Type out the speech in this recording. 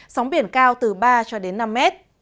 sóng biển cao từ ba cho đến năm m